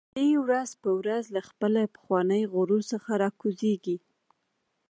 علي ورځ په ورځ له خپل پخواني غرور څخه را کوزېږي.